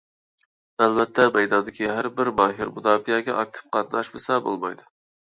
ئەلۋەتتە مەيداندىكى ھەر بىر ماھىر مۇداپىئەگە ئاكتىپ قاتناشمىسا بولمايدۇ-دە.